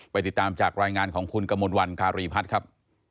ติดตามจากรายงานของคุณกมลวันการีพัฒน์ครับ